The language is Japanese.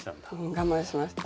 我慢しました。